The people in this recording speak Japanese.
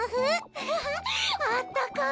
アハハあったかい！